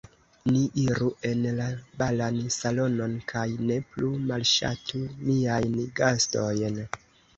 Ni iru en la balan salonon kaj ne plu malŝatu niajn gastojn.